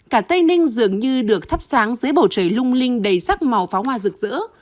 cả tây ninh dường như được thắp sáng dưới bầu trời lung linh đầy sắc màu phá hoa rực rỡ